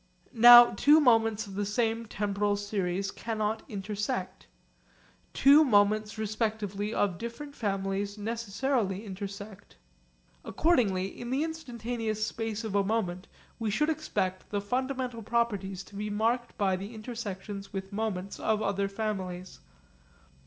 Now two moments of the same temporal series cannot intersect. Two moments respectively of different families necessarily intersect. Accordingly in the instantaneous space of a moment we should expect the fundamental properties to be marked by the intersections with moments of other families.